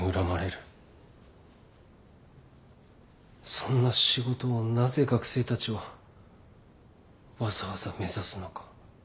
そんな仕事をなぜ学生たちはわざわざ目指すのか。